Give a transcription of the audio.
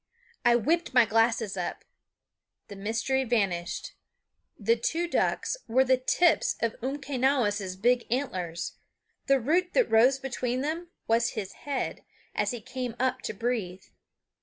I whipped my glasses up the mystery vanished. The two ducks were the tips of Umquenawis' big antlers; the root that rose between them was his head, as he came up to breathe.